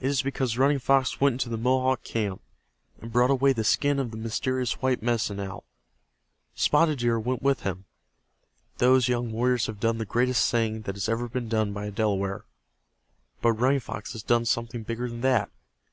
It is because Running Fox went into the Mohawk camp, and brought away the skin of the mysterious white Medicine Owl. Spotted Deer went with him. Those young warriors have done the greatest thing that has ever been done by a Delaware. But Running Fox has done something bigger than that.